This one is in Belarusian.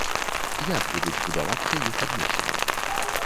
Як будуць будавацца іх адносіны?